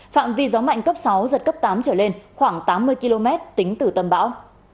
phạm vi gió mạnh cấp sáu giật cấp tám trở lên khoảng tám mươi km tính từ tâm bão